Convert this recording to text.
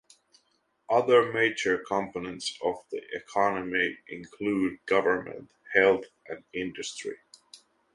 Other major components of the economy include government, health, and industry.